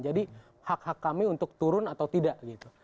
jadi hak hak kami untuk turun atau tidak gitu